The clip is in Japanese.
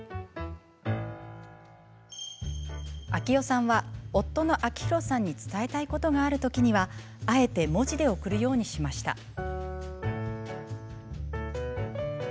玲代さんは、夫の章博さんに伝えたいことがあるときにはあえて文字で送るようにしました。